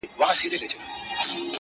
o ته چي قدمونو كي چابكه سې.